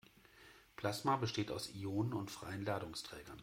Plasma besteht aus Ionen und freien Ladungsträgern.